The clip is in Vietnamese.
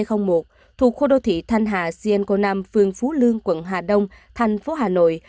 thuộc khu đô thị thanh hà sien co năm phương phú lương quận hà đông thành phố hà nội